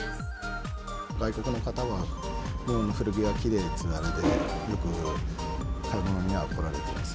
外国の方は、日本の古着はきれいと、よく買い物には来られてます。